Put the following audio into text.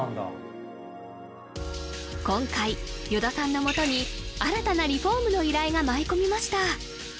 今回依田さんのもとに新たなリフォームの依頼が舞い込みました